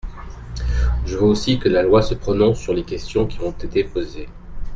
Je veux aussi que la loi se prononce sur les questions qui ont été posées.